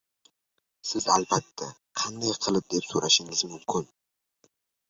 Siz albatta, qanday qilib, deb soʻrashingiz mumkin.